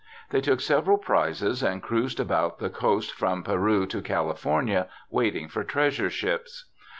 They took several prizes and cruised about the coast from Peru to California waiting for treasure ships.